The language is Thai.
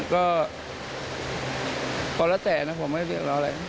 ก็ก็แล้วแต่นะผมไม่ได้เรียกอะไร